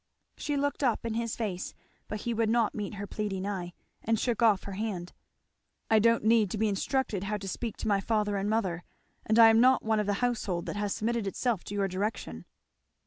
She looked up in his face, but he would not meet her pleading eye, and shook off her hand. "I don't need to be instructed how to speak to my father and mother; and I am not one of the household that has submitted itself to your direction."